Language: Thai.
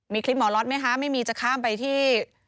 มีคลิปหมอล็อตไหมคะไม่มีจะข้ามไปที่